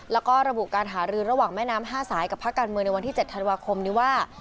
แล้วก็ระบุการหารือระหว่างแม่น้ำ๕สายกับภาคการเมืองในวันที่๗ธันวาคมนี้ว่า